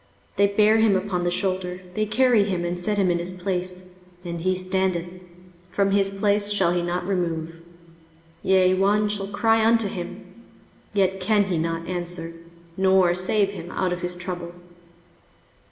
23:046:007 They bear him upon the shoulder, they carry him, and set him in his place, and he standeth; from his place shall he not remove: yea, one shall cry unto him, yet can he not answer, nor save him out of his trouble.